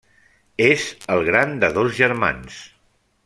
És el gran de dos germans: